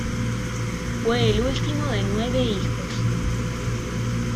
Fue el último de nueve hijos.